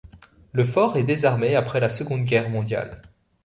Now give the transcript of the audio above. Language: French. Le fort est désarmé après la Seconde Guerre mondiale.